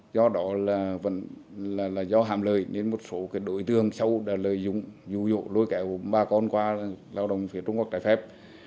do đó là do hạm lời nên một số đối tượng sâu đã lợi dụng dụ dụ lôi kẹo bà con qua lao động phía trung quốc trái phép